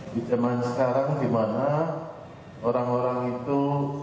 di zaman sekarang di mana orang orang itu